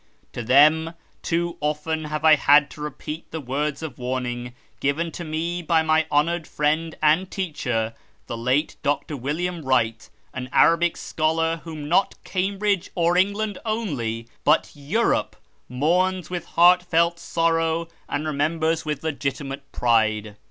To them too often have I had to repeat the words of warning given to me by my honoured friend and teacher, the late Dr. William Wright, an Arabic scholar whom not Cambridge or England only, but Europe, mourns with heart felt sorrow and remembers with legitimate pride.